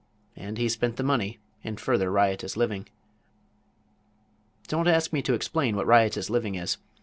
And he spent the money in further riotous living. Don't ask me to explain what riotous living is.